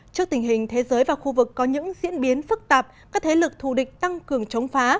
trước tình hình thế giới và khu vực có những diễn biến phức tạp các thế lực thù địch tăng cường chống phá